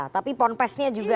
tapi porn face nya juga